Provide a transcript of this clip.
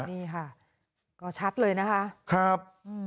นี่ค่ะก็ชัดเลยนะคะครับ